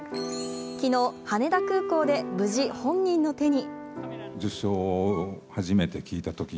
昨日、羽田空港で無事本人の手に。